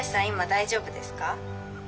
今大丈夫ですか？